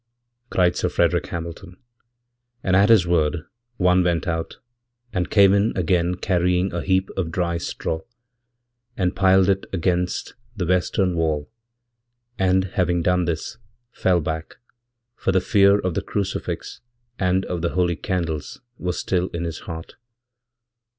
cried Sir Frederick Hamilton, and at his word onewent out, and came in again carrying a heap of dry straw, and piledit against the western wall, and, having done this, fell back, forthe fear of the crucifix and of the holy candles was still in hisheart.